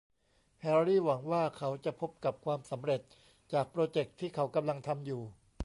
แฮรรี่หวังว่าเขาจะพบกับความสำเร็จจากโปรเจคที่เขากำลังทำอยู่